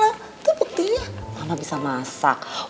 itu buktinya karena bisa masak